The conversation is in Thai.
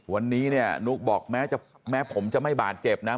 วันนี้เนี่ยนุ๊กบอกแม้ผมจะไม่บาดเจ็บนะ